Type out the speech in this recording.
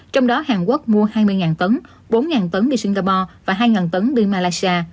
trong đó hàn quốc mua hai mươi tấn bốn tấn đi singapore và hai tấn đi malaysia